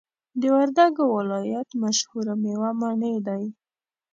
د وردګو ولایت مشهوره میوه مڼی دی